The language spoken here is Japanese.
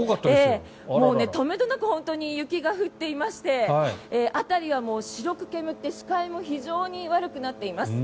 もう止めどなく本当に雪が降っていまして辺りは白く煙って視界も非常に悪くなっています。